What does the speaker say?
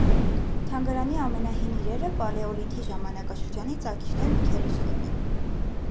Թանգարանի ամենահին իրերը պալեոլիթի ժամանակաշրջանի ծակիչներն ու քերիչներն են։